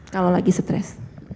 kalau lagi stress